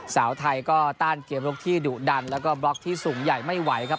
สาวไทยก็ต้านเกมลุกที่ดุดันแล้วก็บล็อกที่สูงใหญ่ไม่ไหวครับ